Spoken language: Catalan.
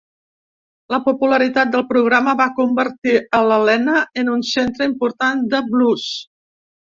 La popularitat del programa va convertir a l'Helena en un centre important del blues.